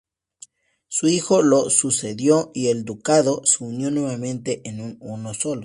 Su hijo lo sucedió y el ducado se unió nuevamente en uno solo.